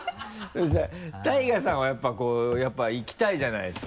ＴＡＩＧＡさんはやっぱこういきたいじゃないですか。